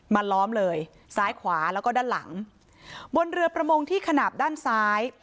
ล้อมเลยซ้ายขวาแล้วก็ด้านหลังบนเรือประมงที่ขนาดด้านซ้าย